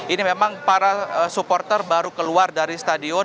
ini memang para supporter baru keluar dari stadion